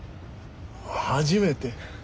初めて。